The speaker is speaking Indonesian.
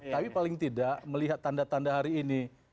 tapi paling tidak melihat tanda tanda hari ini